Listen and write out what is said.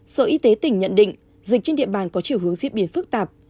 sở y tế tỉnh nhận định dịch trên địa bàn có chiều hướng diễn biến phức tạp